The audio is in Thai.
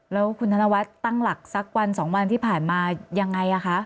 แล้วคุณธนวัฒน์ตั้งหลักสักวัน๒วันที่ผ่านมายังไงคะ